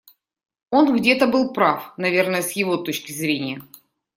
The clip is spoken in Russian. Он где-то был прав, наверное, с его точки зрения.